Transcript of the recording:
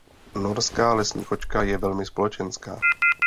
Norská lesní kočka je velmi společenská.